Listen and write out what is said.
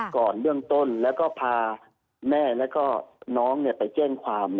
ก่อนเบื้องต้นแล้วก็พาแม่แล้วก็น้องไปแจ้งความ